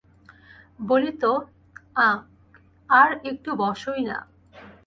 বলিত, আঃ, আর-একটু বসোই-না।